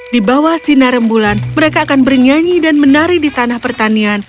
di bawah sinar rembulan mereka akan bernyanyi dan menari di tanah pertanian